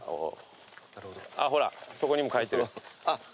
ほらそこにも書いてる。